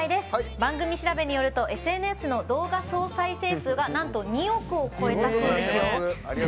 番組調べによるとＳＮＳの動画再生回数がなんと２億を超えたそうですよ。